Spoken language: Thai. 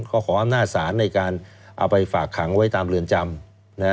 ก็ขออำนาจศาลในการเอาไปฝากขังไว้ตามเรือนจำ